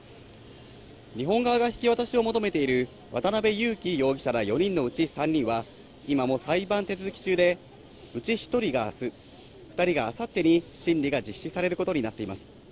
日本側が引き渡しを求めている渡辺優樹容疑者ら４人のうち３人は、今も裁判手続き中で、うち１人があす、２人があさってに審理が実施されることになっています。